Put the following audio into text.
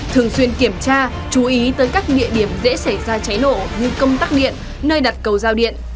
thường xuyên kiểm tra chú ý tới các địa điểm dễ xảy ra cháy nổ như công tắc điện nơi đặt cầu giao điện